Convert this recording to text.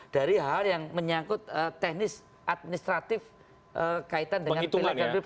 dari hal yang menyangkut teknis administratif kaitan dengan plk dan bpp